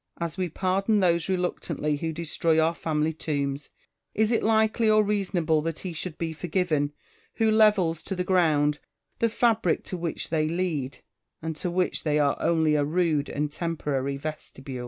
As we pardon those reluctantly who destroy our family tombs, is it likely or reasonable that he should be forgiven who levels to the ground the fabric to which they lead, and to which they are only a rude and temporary vestibule?